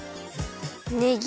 ねぎ。